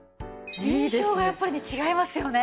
印象がやっぱりね違いますよね。